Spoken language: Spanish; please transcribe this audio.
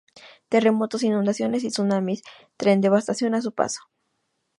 Terremotos, inundaciones y tsunamis traen devastación a su paso.